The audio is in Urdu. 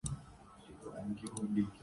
اثر اور دونوں حسب مراتب ہیں۔